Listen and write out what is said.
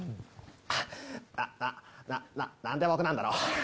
なななな何で僕なんだろう？